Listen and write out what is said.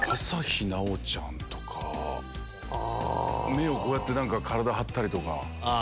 目をこうやって体張ったりとか。